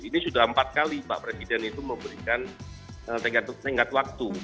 ini sudah empat kali pak presiden itu memberikan tengkat waktu